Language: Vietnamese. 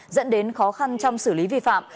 dẫn đến khó khăn trong xử lý vi phạm